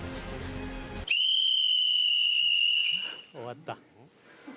終わった。